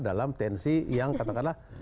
dalam tensi yang katakanlah